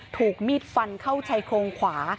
ถูกมีดฟันเข้าชายโครงขวา